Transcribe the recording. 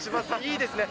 いいですね。